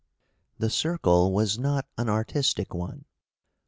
The circle was not an artistic one.